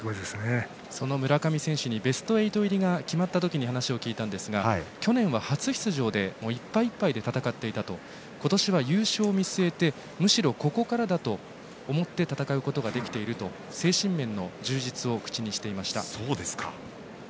その村上選手にベスト８入りが決まった時に話を聞いたんですが去年は初出場でいっぱいいっぱいで戦っていた今年は優勝を見据えてむしろここからだと思って戦うことができていると精神面の充実を口にしていました。